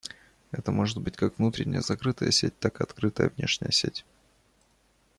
Это может быть как внутренняя закрытая сеть, так и открытая внешняя сеть